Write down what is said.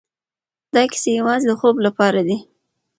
دا کيسې يوازې د خوب لپاره دي.